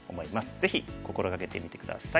ぜひ心掛けてみて下さい。